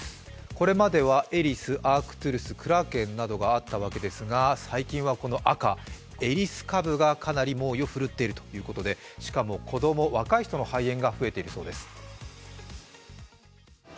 これまではエリス、アークトゥルス、クラーケンなどがあったようですが最近はこの赤、エリス株がかなり猛威を振るっているということで、しかも子供、若い人の肺炎が増えているそうです。